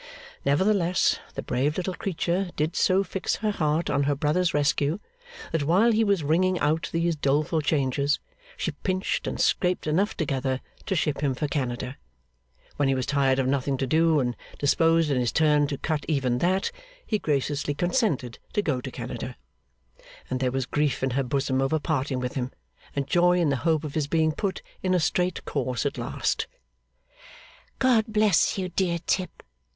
Nevertheless, the brave little creature did so fix her heart on her brother's rescue, that while he was ringing out these doleful changes, she pinched and scraped enough together to ship him for Canada. When he was tired of nothing to do, and disposed in its turn to cut even that, he graciously consented to go to Canada. And there was grief in her bosom over parting with him, and joy in the hope of his being put in a straight course at last. 'God bless you, dear Tip.